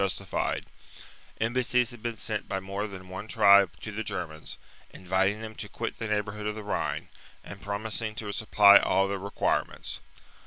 justified : embassies had been sent by more than one tribe to the Germans, inviting them to quit the neighbourhood of the Rhine, and pro mising to supply all their requirements.